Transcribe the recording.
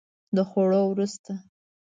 د خوړو وروسته